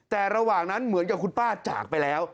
แต่ระหว่างนั้นเหมือนกับคุณป้าจากไปแล้ว